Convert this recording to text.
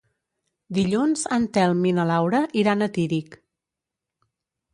Dilluns en Telm i na Laura iran a Tírig.